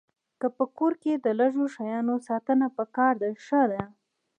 په کور کې د لږو شیانو ساتنه پکار ده ښه ده.